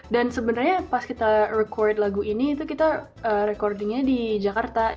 dan sebenarnya pas kita rekod lagu ini itu kita rekodnya di jalan jalan menara ya kan